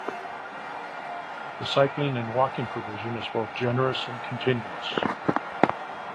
The cycling and walking provision is both generous and continuous.